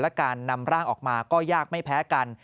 และการนำร่างออกมาก็ยากไม่แพ้กัน